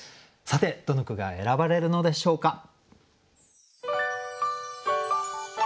さてどの句が選ばれるのでしょうか。